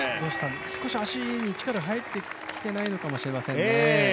少し足に力が入ってきていないのかもしれないですね。